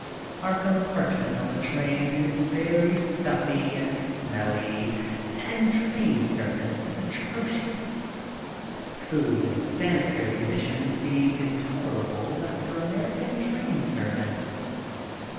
Our compartment on the train is very stuffy and smelly and the train service is atrocious, food and sanitary conditions being intolerable after American train service.